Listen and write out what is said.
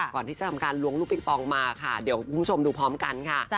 ก่อนที่จะทำการล้วงลูกปิงปองมาค่ะเดี๋ยวคุณผู้ชมดูพร้อมกันค่ะ